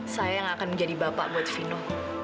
saya yang akan menjadi bapak buat vino